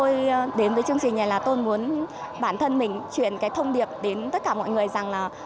vì vậy tôi đến với chương trình này là tôi muốn bản thân mình truyền cái thông điệp đến tất cả mọi người rằng là